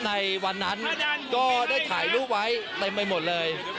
ในวันนั้นก็ได้ถ่ายรูปไว้เต็มไปหมดเลย